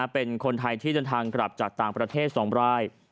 เป็นคนไทยที่เดินทางกลับจากต่างประเทศ๒ราย